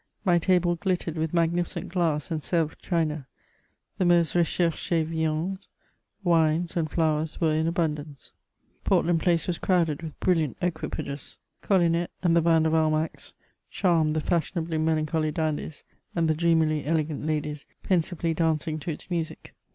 My table ghttered with magnificent glass and Sevres china ; the most recherche viands, wines, and flowers were in abundance ; Portland Place was crowded with brilliant equipages; Collinet and the band of CHATEAUBBIAl^D. 381 Almack's charmed the £Eushionably melancholy dandies, and the dreamily elegant ladies, pensively dancing to its music.